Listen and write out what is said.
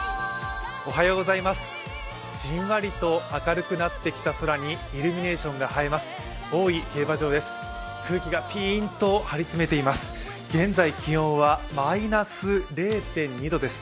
じんわりと明るくなってきた空にイルミネーションが生えます、大井競馬場です。